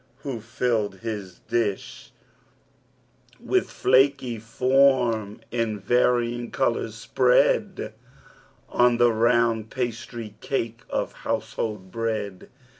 Who filled his dish, With flaky form in varying colours spread On the round pastry cake of household bread!